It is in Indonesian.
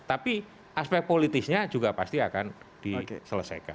tapi aspek politisnya juga pasti akan diselesaikan